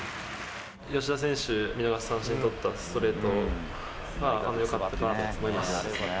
吉田選手、見逃し三振取ったストレートはよかったと思います。